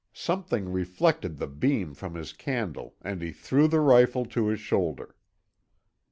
Something reflected the beam from his candle and he threw the rifle to his shoulder.